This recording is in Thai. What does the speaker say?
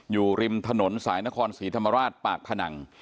อยู่ริมถนนสายนครศรีธรรมราชปากผนัง